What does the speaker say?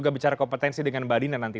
juga bicara kompetensi dengan mbak dina nanti